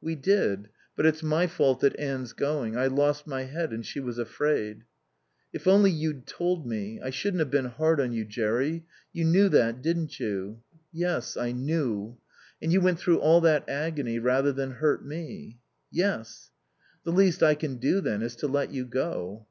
"We did. But it's my fault that Anne's going. I lost my head, and she was afraid." "If only you'd told me. I shouldn't have been hard on you, Jerry. You knew that, didn't you?" "Yes. I knew." "And you went through all that agony rather than hurt me." "Yes." "The least I can do, then, is to let you go."